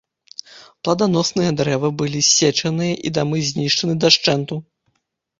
Пладаносныя дрэвы былі ссечаны і дамы знішчаны дашчэнту.